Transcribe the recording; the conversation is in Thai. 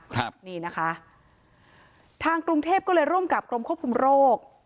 ครับนี่นะคะทางกรุงเทพก็เลยร่วมกับกรมควบคุมโรค